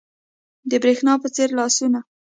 د برېښنا په څیر لاسونه